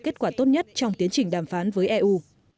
kết quả tốt nhất trong tiến trình đàm phán với eu